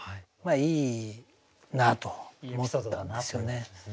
いいなと思ったんですよね。